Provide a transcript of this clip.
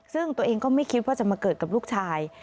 ซึ่งตัวเองก็ไม่คิดว่าจะมาเกิดกับลูกชาย